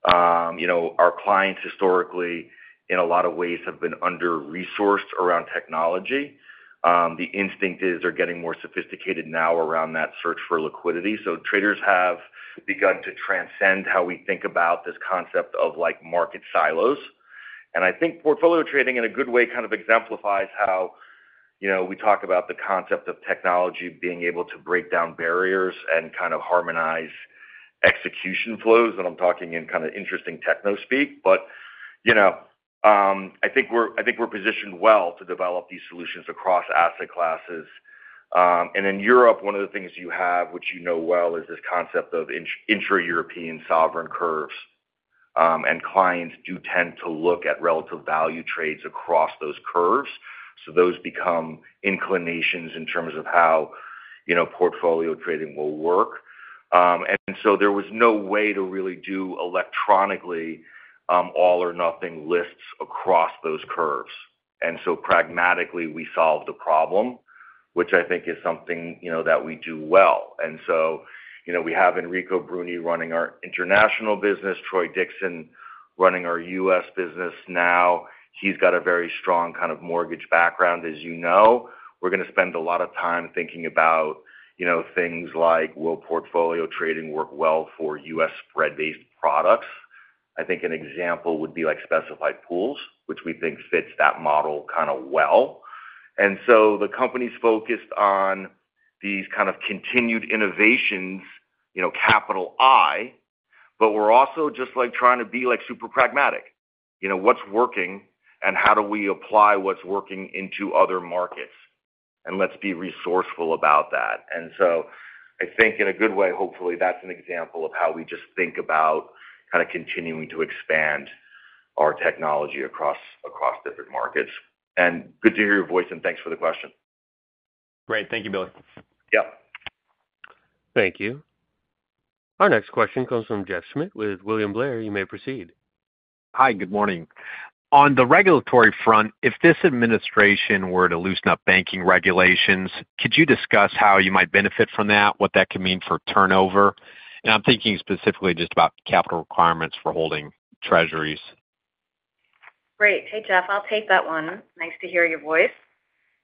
Our clients, historically, in a lot of ways, have been under-resourced around technology. The instinct is they're getting more sophisticated now around that search for liquidity. Traders have begun to transcend how we think about this concept of market silos. I think portfolio trading, in a good way, kind of exemplifies how we talk about the concept of technology being able to break down barriers and kind of harmonize execution flows. I'm talking in kind of interesting techno speak. I think we're positioned well to develop these solutions across asset classes. In Europe, one of the things you have, which you know well, is this concept of intra-European sovereign curves. Clients do tend to look at relative value trades across those curves. Those become inclinations in terms of how portfolio trading will work. There was no way to really do electronically all-or-nothing lists across those curves. Pragmatically, we solved the problem, which I think is something that we do well. We have Enrico Bruni running our international business, Troy Dixon running our U.S. business now. He's got a very strong kind of mortgage background, as you know. We're going to spend a lot of time thinking about things like, "Will portfolio trading work well for U.S. spread-based products?" I think an example would be specified pools, which we think fits that model kind of well. The company's focused on these kind of continued innovations, capital I, but we're also just trying to be super pragmatic. What's working, and how do we apply what's working into other markets? Let's be resourceful about that. I think, in a good way, hopefully, that's an example of how we just think about kind of continuing to expand our technology across different markets. Good to hear your voice, and thanks for the question. Great. Thank you, Billy. Yep. Thank you. Our next question comes from Jeff Schmitt with William Blair. You may proceed. Hi, good morning. On the regulatory front, if this administration were to loosen up banking regulations, could you discuss how you might benefit from that, what that could mean for turnover? I'm thinking specifically just about capital requirements for holding treasuries. Great. Hey, Jeff. I'll take that one. Nice to hear your voice.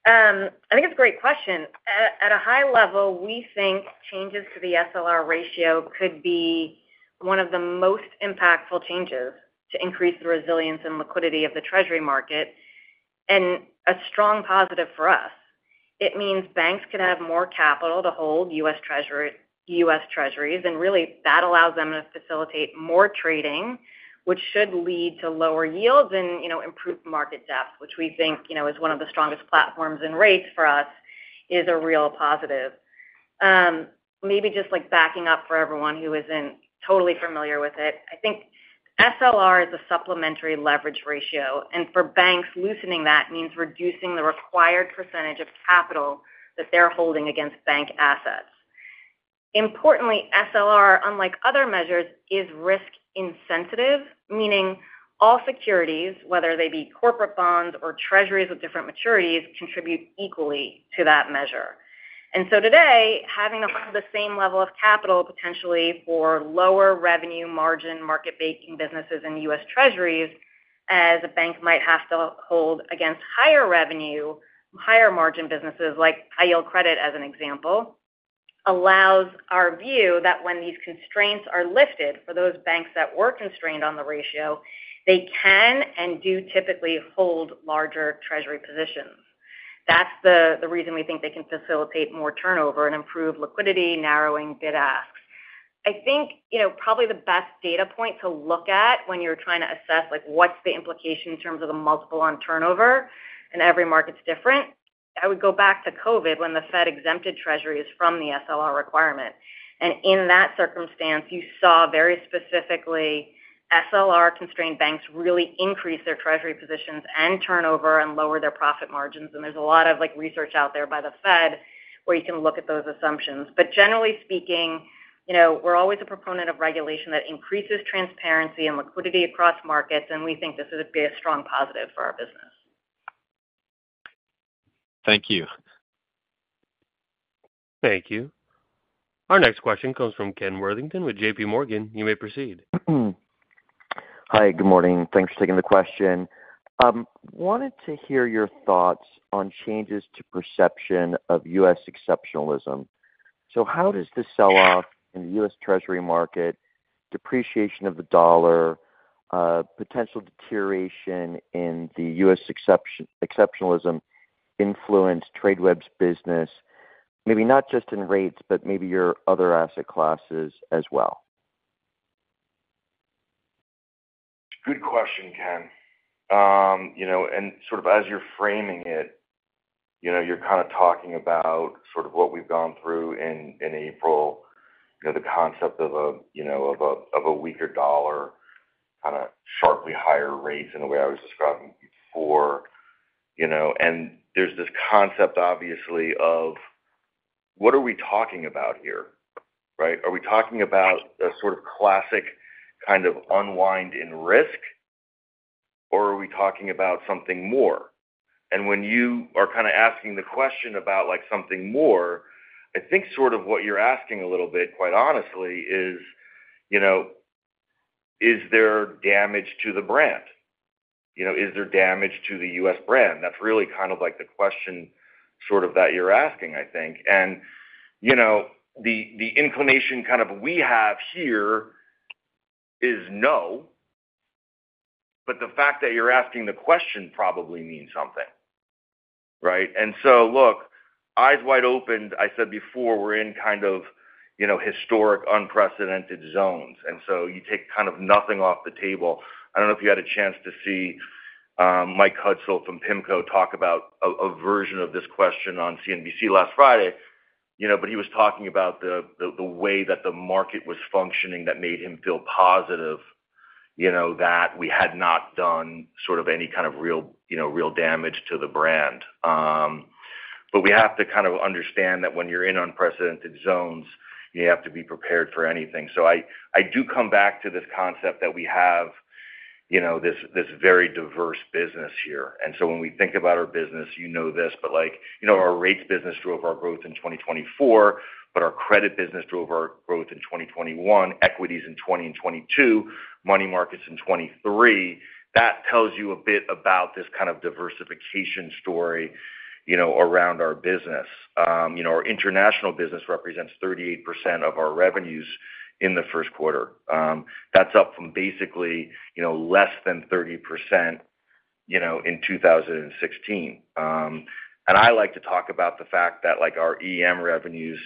I think it's a great question. At a high level, we think changes to the SLR ratio could be one of the most impactful changes to increase the resilience and liquidity of the Treasury market and a strong positive for us. It means banks could have more capital to hold U.S. Treasuries. Really, that allows them to facilitate more trading, which should lead to lower yields and improved market depth, which we think is one of the strongest platforms in rates for us, is a real positive. Maybe just backing up for everyone who isn't totally familiar with it, I think SLR is a supplementary leverage ratio. For banks, loosening that means reducing the required percentage of capital that they're holding against bank assets. Importantly, SLR, unlike other measures, is risk-insensitive, meaning all securities, whether they be corporate bonds or Treasuries with different maturities, contribute equally to that measure. Today, having the same level of capital potentially for lower revenue margin market banking businesses in U.S. Treasuries as a bank might have to hold against higher revenue, higher margin businesses like high-yield credit as an example, allows our view that when these constraints are lifted for those banks that were constrained on the ratio, they can and do typically hold larger Treasury positions. That is the reason we think they can facilitate more turnover and improve liquidity, narrowing bid asks. I think probably the best data point to look at when you are trying to assess what is the implication in terms of the multiple on turnover, and every market is different. I would go back to COVID when the Fed exempted Treasuries from the SLR requirement. In that circumstance, you saw very specifically SLR-constrained banks really increase their Treasury positions and turnover and lower their profit margins. There is a lot of research out there by the Fed where you can look at those assumptions. Generally speaking, we are always a proponent of regulation that increases transparency and liquidity across markets, and we think this would be a strong positive for our business. Thank you. Thank you. Our next question comes from Ken Worthington with JPMorgan. You may proceed. Hi. Good morning. Thanks for taking the question. Wanted to hear your thoughts on changes to perception of U.S. exceptionalism. How does this sell off in the U.S. Treasury market, depreciation of the dollar, potential deterioration in the U.S. exceptionalism influence Tradeweb's business, maybe not just in rates, but maybe your other asset classes as well? Good question, Ken. As you're framing it, you're kind of talking about what we've gone through in April, the concept of a weaker dollar, kind of sharply higher rates in a way I was describing before. There's this concept, obviously, of what are we talking about here? Right? Are we talking about a sort of classic kind of unwind in risk, or are we talking about something more? When you are kind of asking the question about something more, I think what you're asking a little bit, quite honestly, is, is there damage to the brand? Is there damage to the U.S. brand? That's really the question that you're asking, I think. The inclination we have here is no, but the fact that you're asking the question probably means something. Right? Look, eyes wide open. I said before we're in kind of historic unprecedented zones. You take kind of nothing off the table. I don't know if you had a chance to see Mike Cudzil from PIMCO talk about a version of this question on CNBC last Friday, but he was talking about the way that the market was functioning that made him feel positive that we had not done sort of any kind of real damage to the brand. We have to kind of understand that when you're in unprecedented zones, you have to be prepared for anything. I do come back to this concept that we have this very diverse business here. When we think about our business, you know this, but our rates business drove our growth in 2024, but our credit business drove our growth in 2021, equities in 2022, money markets in 2023. That tells you a bit about this kind of diversification story around our business. Our international business represents 38% of our revenues in the first quarter. That's up from basically less than 30% in 2016. I like to talk about the fact that our EM revenues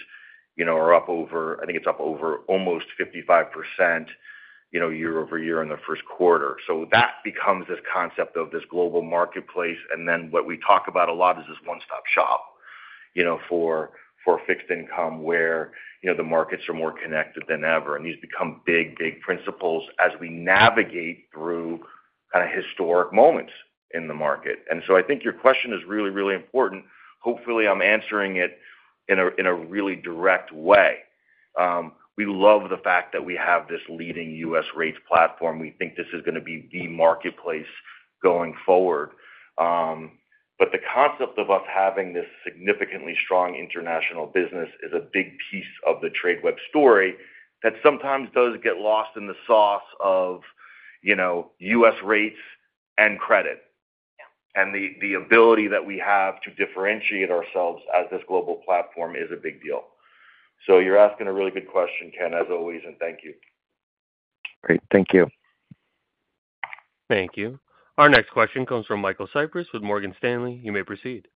are up over, I think it's up over almost 55% year-over-year in the first quarter. That becomes this concept of this global marketplace. What we talk about a lot is this one-stop shop for fixed income where the markets are more connected than ever. These become big, big principles as we navigate through kind of historic moments in the market. I think your question is really, really important. Hopefully, I'm answering it in a really direct way. We love the fact that we have this leading U.S. rates platform. We think this is going to be the marketplace going forward. The concept of us having this significantly strong international business is a big piece of the Tradeweb story that sometimes does get lost in the sauce of U.S. rates and credit. The ability that we have to differentiate ourselves as this global platform is a big deal. You're asking a really good question, Ken, as always, and thank you. Great. Thank you. Thank you. Our next question comes from Michael Cyprys with Morgan Stanley. You may proceed.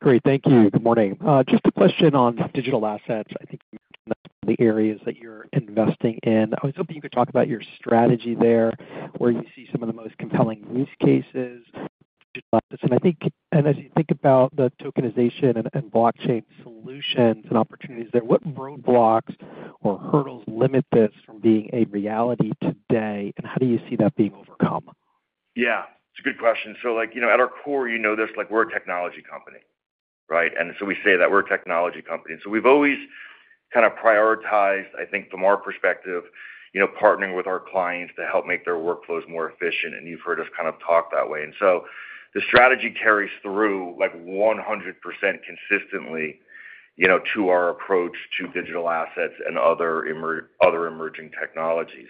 Great. Thank you. Good morning. Just a question on digital assets. I think you mentioned the areas that you're investing in. I was hoping you could talk about your strategy there, where you see some of the most compelling use cases for digital assets. As you think about the tokenization and blockchain solutions and opportunities there, what roadblocks or hurdles limit this from being a reality today? How do you see that being overcome? Yeah. It's a good question. At our core, you know this, we're a technology company. Right? We say that we're a technology company. We've always kind of prioritized, I think, from our perspective, partnering with our clients to help make their workflows more efficient. You've heard us kind of talk that way. The strategy carries through 100% consistently to our approach to digital assets and other emerging technologies.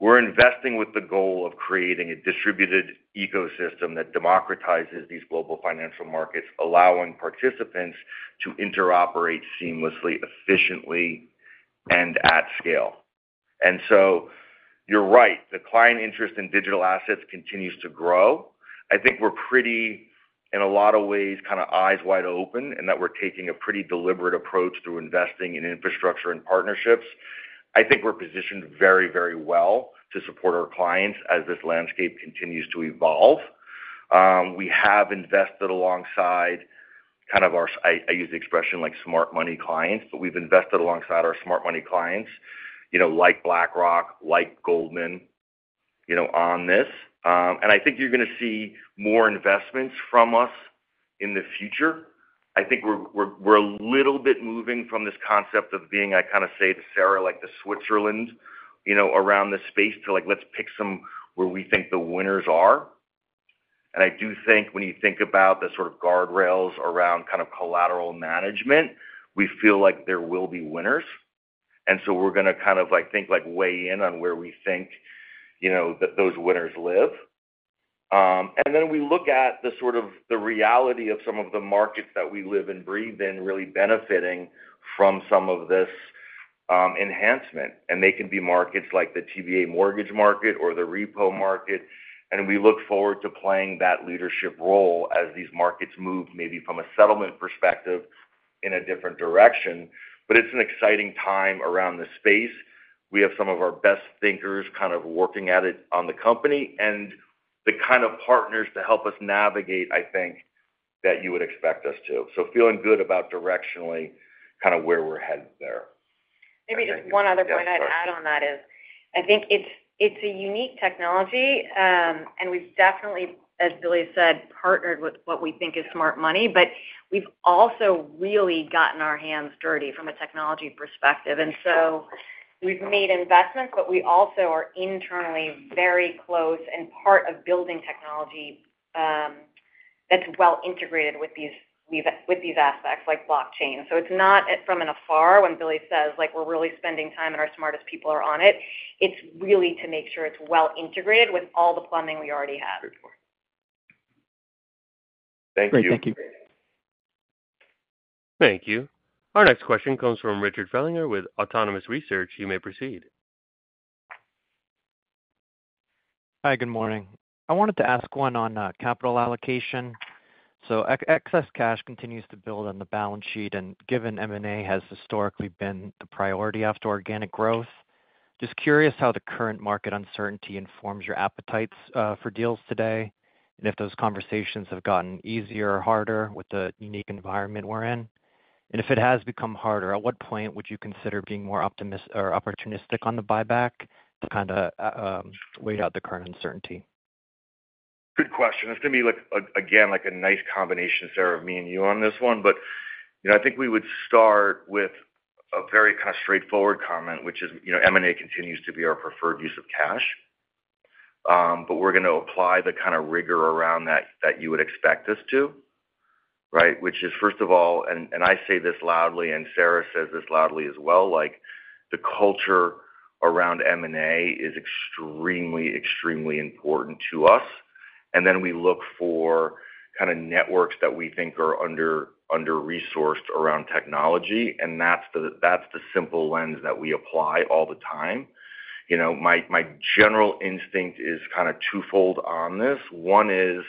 We're investing with the goal of creating a distributed ecosystem that democratizes these global financial markets, allowing participants to interoperate seamlessly, efficiently, and at scale. You're right. The client interest in digital assets continues to grow. I think we're pretty, in a lot of ways, kind of eyes wide open in that we're taking a pretty deliberate approach through investing in infrastructure and partnerships. I think we're positioned very, very well to support our clients as this landscape continues to evolve. We have invested alongside kind of our—I use the expression like smart money clients, but we've invested alongside our smart money clients like BlackRock, like Goldman on this. I think you're going to see more investments from us in the future. I think we're a little bit moving from this concept of being, I kind of say to Sara, like the Switzerland around this space to, "Let's pick some where we think the winners are." I do think when you think about the sort of guardrails around kind of collateral management, we feel like there will be winners. We're going to kind of think weigh in on where we think that those winners live. Then we look at the sort of the reality of some of the markets that we live and breathe in really benefiting from some of this enhancement. They can be markets like the TBA mortgage market or the repo market. We look forward to playing that leadership role as these markets move maybe from a settlement perspective in a different direction. It's an exciting time around the space. We have some of our best thinkers kind of working at it on the company and the kind of partners to help us navigate, I think, that you would expect us to. Feeling good about directionally kind of where we're headed there. Maybe just one other point I'd add on that is I think it's a unique technology. We have definitely, as Billy said, partnered with what we think is smart money, but we have also really gotten our hands dirty from a technology perspective. We have made investments, but we also are internally very close and part of building technology that is well integrated with these aspects like blockchain. It is not from afar when Billy says we are really spending time and our smartest people are on it. It is really to make sure it is well integrated with all the plumbing we already have. Good point. Thank you. Great. Thank you. Thank you. Our next question comes from Richard Fellinger with Autonomous Research. You may proceed. Hi. Good morning. I wanted to ask one on capital allocation. Excess cash continues to build on the balance sheet, and given M&A has historically been the priority after organic growth, just curious how the current market uncertainty informs your appetites for deals today and if those conversations have gotten easier or harder with the unique environment we're in. If it has become harder, at what point would you consider being more opportunistic on the buyback to kind of weigh out the current uncertainty? Good question. It's going to be, again, like a nice combination, Sara, of me and you on this one. I think we would start with a very kind of straightforward comment, which is M&A continues to be our preferred use of cash. We're going to apply the kind of rigor around that you would expect us to, right? Which is, first of all, and I say this loudly, and Sara says this loudly as well, the culture around M&A is extremely, extremely important to us. We look for kind of networks that we think are under-resourced around technology. That is the simple lens that we apply all the time. My general instinct is kind of twofold on this. One is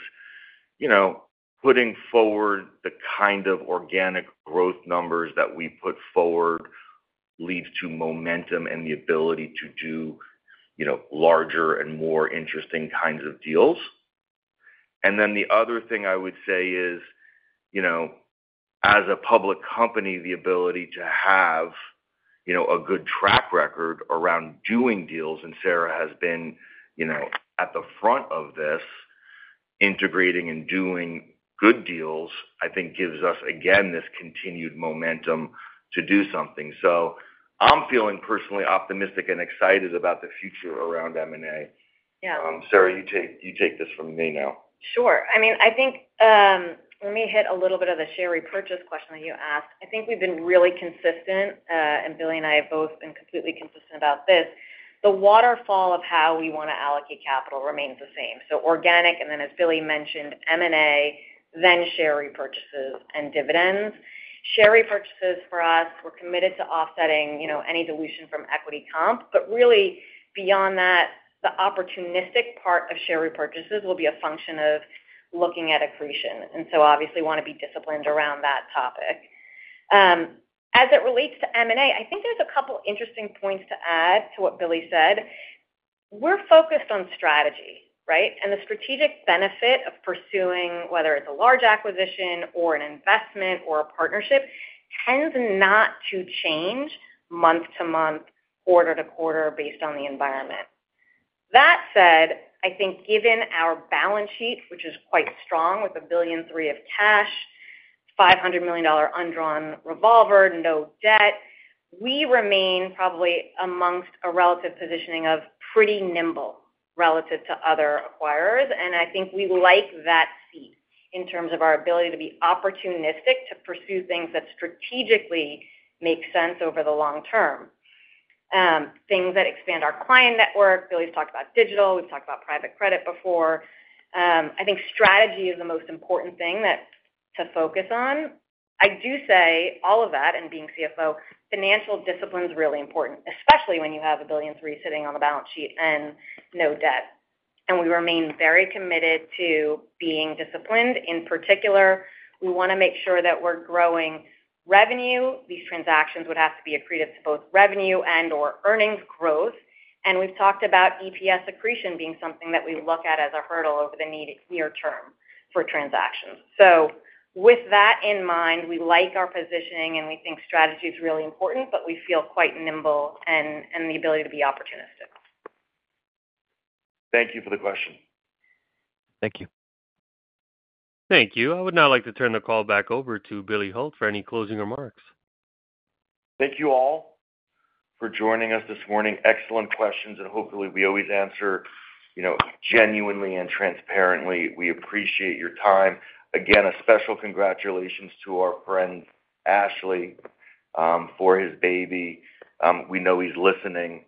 putting forward the kind of organic growth numbers that we put forward leads to momentum and the ability to do larger and more interesting kinds of deals. The other thing I would say is, as a public company, the ability to have a good track record around doing deals. Sara has been at the front of this, integrating and doing good deals, I think gives us, again, this continued momentum to do something. I'm feeling personally optimistic and excited about the future around M&A. Sara, you take this from me now. Sure. I mean, I think let me hit a little bit of the share repurchase question that you asked. I think we've been really consistent, and Billy and I have both been completely consistent about this. The waterfall of how we want to allocate capital remains the same. Organic, and then as Billy mentioned, M&A, then share repurchases and dividends. Share repurchases for us, we're committed to offsetting any dilution from equity comp. Really, beyond that, the opportunistic part of share repurchases will be a function of looking at accretion. Obviously, we want to be disciplined around that topic. As it relates to M&A, I think there's a couple of interesting points to add to what Billy said. We're focused on strategy, right? The strategic benefit of pursuing, whether it's a large acquisition or an investment or a partnership, tends not to change month to month, quarter to quarter based on the environment. That said, I think given our balance sheet, which is quite strong with $1.3 billion of cash, $500 million undrawn revolver, no debt, we remain probably amongst a relative positioning of pretty nimble relative to other acquirers. I think we like that seat in terms of our ability to be opportunistic to pursue things that strategically make sense over the long term, things that expand our client network. Billy's talked about digital. We've talked about private credit before. I think strategy is the most important thing to focus on. I do say all of that, and being CFO, financial discipline is really important, especially when you have $1.3 billion sitting on the balance sheet and no debt. We remain very committed to being disciplined. In particular, we want to make sure that we're growing revenue. These transactions would have to be accretive to both revenue and/or earnings growth. We've talked about EPS accretion being something that we look at as a hurdle over the near term for transactions. With that in mind, we like our positioning, and we think strategy is really important, but we feel quite nimble and the ability to be opportunistic. Thank you for the question. Thank you. Thank you. I would now like to turn the call back over to Billy Hult for any closing remarks. Thank you all for joining us this morning. Excellent questions, and hopefully, we always answer genuinely and transparently. We appreciate your time. Again, a special congratulations to our friend Ashley for his baby. We know he's listening.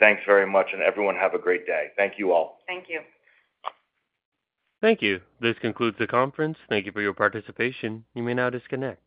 Thanks very much, and everyone have a great day. Thank you all. Thank you. Thank you. This concludes the conference. Thank you for your participation. You may now disconnect.